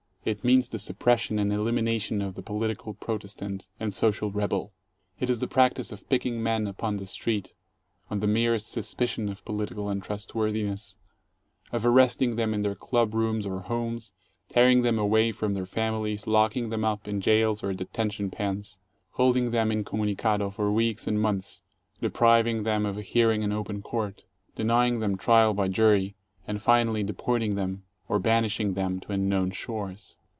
It means the suppression and elimination of the political protes tant and social rebel. It is the practice of picking men upon the street, on the merest suspicion of "political untrustworthiness," of arresting them in their club rooms or homes, tearing them away from their families, locking them up in jails or detention pens, holding them incommunicado for weeks and months, depriving them of a hearing in open court, denying them trial by jury, and finally deporting them or banishing them to unknown shores.